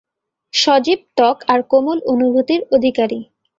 সজীব ত্বক আর কোমল অনুভূতির অধিকারী।